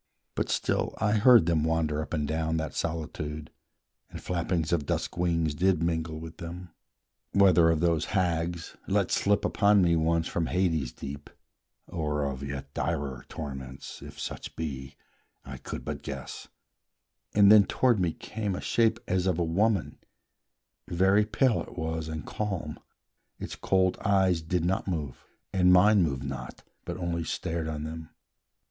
But still I heard them wander up and down That solitude, and flappings of dusk wings Did mingle with them, whether of those hags Let slip upon me once from Hades deep, Or of yet direr torments, if such be, I could but guess; and then toward me came A shape as of a woman: very pale It was, and calm; its cold eyes did not move, And mine moved not, but only stared on them.